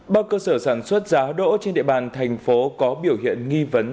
bác cơ sở sản xuất giá đỗ trên địa bàn thành phố có biểu hiện nghi vấn